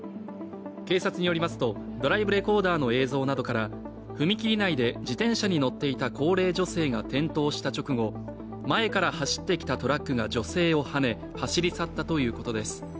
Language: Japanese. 警察によりますと、ドライブレコーダーの映像などか踏切内で自転車に乗っていた高齢女性が転倒した直後、前から走ってきたトラックが女性をはね、走り去ったということです。